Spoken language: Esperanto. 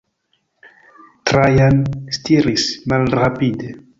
Trajan stiris malrapide.